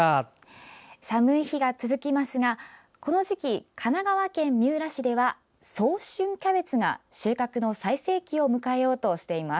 寒い日が続きますがこの時期、神奈川県三浦市では早春キャベツが収穫の最盛期を迎えようとしています。